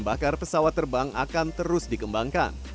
bahan bakar pesawat terbang akan terus dikembangkan